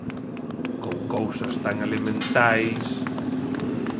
Con cousas tan elementais...